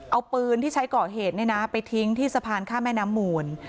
เอาปืนที่ใช้ก่อเหตุไปทิ้งที่สะพานข้ามแม่น้ำมูล